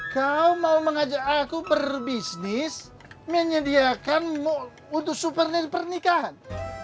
kau mau mengajak aku berbisnis menyediakan untuk supernain pernikahan